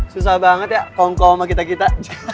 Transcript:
susah banget ya kongkol sama kita kita